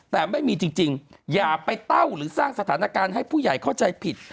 แต่ไม่มีจริงอย่าไปเต้าหรือสร้างสถานการณ์ให้ผู้ใหญ่เข้าใจผิด